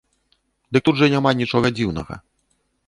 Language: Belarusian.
Дык тут жа няма нічога дзіўнага.